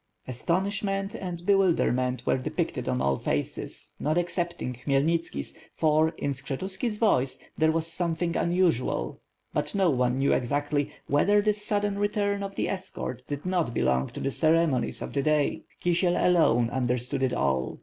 Astonishment and bewilderment were depicted on all faces, not excepting Khymelnitski's for, m Skshetuski's voice, there was something unusual, but no one knew exactly whether this sudden return of the escort did not belong to the cere monies of the day. Kisiel alone, understood it all.